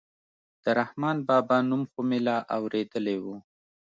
د رحمان بابا نوم خو مې لا اورېدلى و.